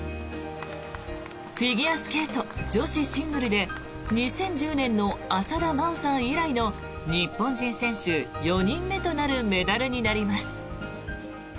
フィギュアスケート女子シングルで２０１０年の浅田真央さん以来の日本人選手４人目となるメダルになります。